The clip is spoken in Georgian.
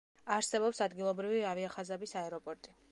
არსებობს ადგილობრივი ავიახაზების აეროპორტი.